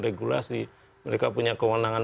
regulasi mereka punya kewenangan